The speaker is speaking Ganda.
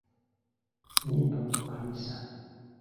Nnyimba mu kkanisa.